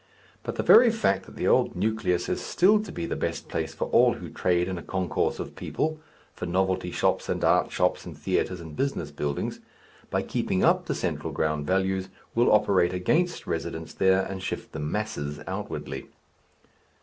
But the very fact that the old nucleus is still to be the best place for all who trade in a concourse of people, for novelty shops and art shops, and theatres and business buildings, by keeping up the central ground values will operate against residence there and shift the "masses" outwardly.